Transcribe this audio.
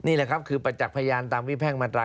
นี่แหละครับคือประจักษ์พยานตามวิแพ่งมาตรา๑